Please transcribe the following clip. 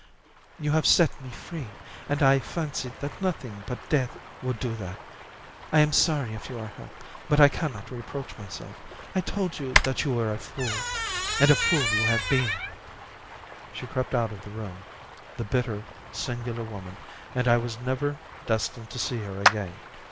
You have set me free, and I fancied that nothing but death would do that. I am sorry if you are hurt, but I cannot reproach myself. I told you that you were a fool and a fool you have been." She crept out of the room, the bitter, singular woman, and I was never destined to see her again.